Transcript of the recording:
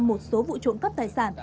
một số vụ trộm cắp tài sản